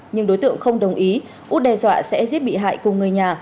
nhưng đối tượng không đồng ý út đe dọa sẽ giết bị hại cùng người nhà